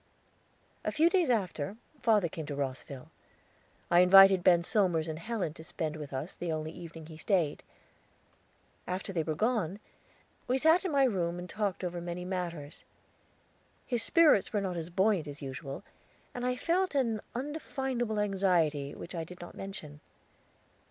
A few days after, father came to Rosville. I invited Ben Somers and Helen to spend with us the only evening he stayed. After they were gone, we sat in my room and talked over many matters. His spirits were not as buoyant as usual, and I felt an undefinable anxiety which I did not mention.